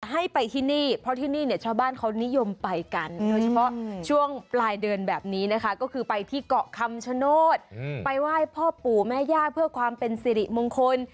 ให้ไปที่นี่เพราะที่นี่เนี่ยชาวบ้านเขานิยมไปกันโดยเฉพาะช่วงปลายเดือนแบบนี้นะคะก็คือไปที่เกาะคำชโนธไปไหว้พ่อปู่แม่ย่าเพื่อความเป็นสิริมงคล